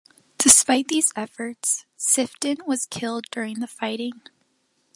Despite these efforts, Sifton was killed during the fighting.